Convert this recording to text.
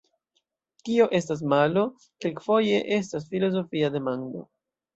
Kio estas malo, kelkfoje estas filozofia demando.